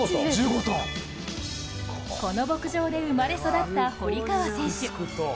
この牧場で生まれ育った堀川選手。